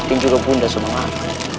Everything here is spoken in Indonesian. dan juga bunda semangat